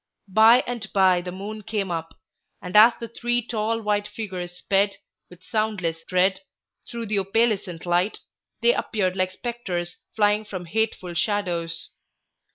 By and by the moon came up. And as the three tall white figures sped, with soundless tread, through the opalescent light, they appeared like specters flying from hateful shadows.